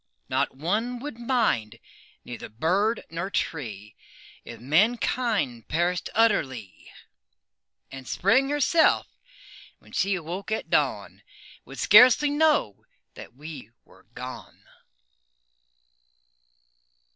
Not one would mind, neither bird nor tree If mankind perished utterly; And Spring herself, when she woke at dawn, Would scarcely know that we were gone.